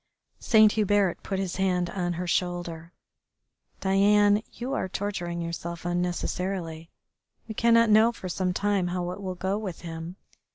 Saint Hubert put his hand on her shoulder. "Diane, you are torturing yourself unnecessarily. We cannot know for some time how it will go with him.